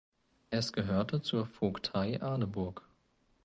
Es gehörte zur Vogtei Arneburg.